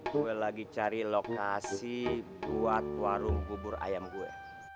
gue lagi cari lokasi buat warung bubur ayam gue